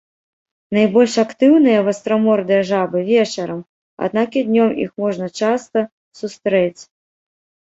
Найбольш актыўныя вастрамордыя жабы вечарам, аднак і днём іх можна часта сустрэць.